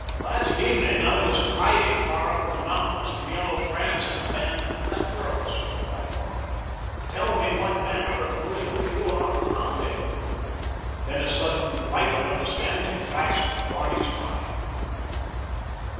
"Last evening I was hiding far up in the mountains from Yellow Franz's band of cutthroats," replied Barney. "Tell me what manner of riddle you are propounding." Then a sudden light of understanding flashed through Barney's mind.